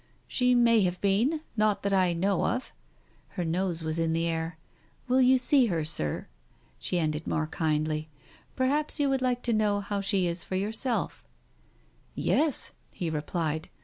"She may have been. Not that I know of ...." Her nose was in the air. " Will you see her, Sir ?" she ended more kindly. "Perhaps you would like to know how she is for yourself." "Yes," he replied.